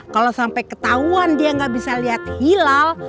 kalo sampe ketahuan dia gak bisa liat hilal